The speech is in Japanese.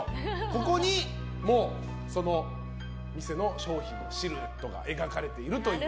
ここにその店の商品のシルエットが描かれているという。